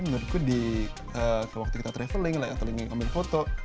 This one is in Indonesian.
menurutku di waktu kita traveling atau ingin ambil foto